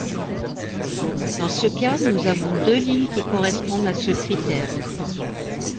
Dans ce cas, nous avons deux lignes qui correspondent à ce critère.